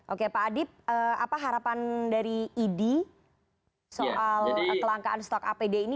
oke pak adip apa harapan dari idi soal kelangkaan stok apd ini